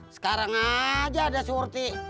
sekarang aja ada surti